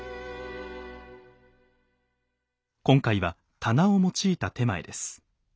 今回は棚を用いた点前です。